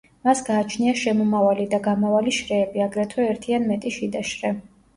მას გააჩნია შემომავალი და გამავალი შრეები, აგრეთვე ერთი ან მეტი შიდა შრე.